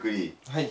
はい。